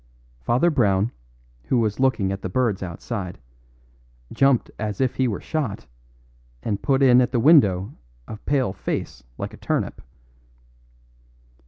Father Brown, who was looking at the birds outside, jumped as if he were shot, and put in at the window a pale face like a turnip.